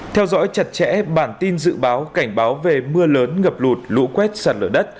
theo dõi chặt chẽ bản tin dự báo cảnh báo về mưa lớn ngập lụt lũ quét sạt lở đất